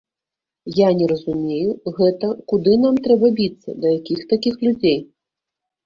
Я не разумею, гэта куды нам трэба біцца, да якіх такіх людзей?